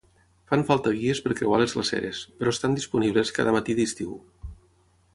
Fan falta guies per creuar les glaceres, però estan disponibles cada matí d'estiu.